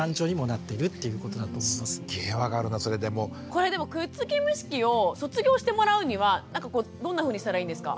これでも「くっつき虫期」を卒業してもらうにはなんかこうどんなふうにしたらいいんですか？